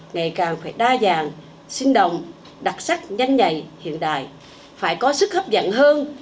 ngày càng phải đa dạng sinh động đặc sắc nhanh nhạy hiện đại phải có sức hấp dẫn hơn